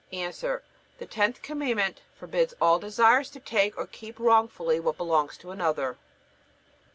A. The tenth Commandment forbids all desires to take or keep wrongfully what belongs to another.